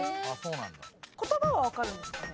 言葉は分かるんですかね？